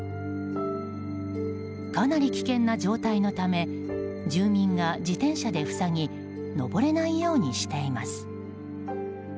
かなり危険な状態のため住民が自転車で塞ぎ上れないようにしています。